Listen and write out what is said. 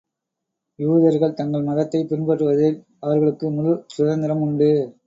யூதர்கள் தங்கள் மதத்தைப் பின்பற்றுவதில் அவர்களுக்கு முழுச் சுதந்திரம் உண்டு.